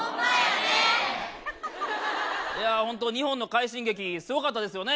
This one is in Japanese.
いや本当日本の快進撃すごかったですよね。